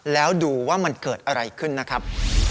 แล้วดูว่ามันเกิดอะไรขึ้นนะครับ